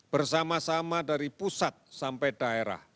bersama sama dari pusat sampai daerah